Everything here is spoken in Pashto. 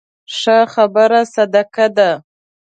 ښه خبره صدقه ده